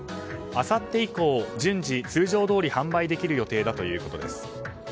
あさって以降、順次通常どおり販売できる予定だということです。